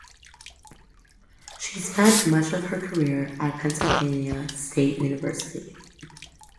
She spent much of her career at Pennsylvania State University.